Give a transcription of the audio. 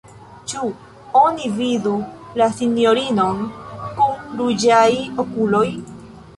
Ĉu oni vidu la sinjorinon kun ruĝaj okuloj?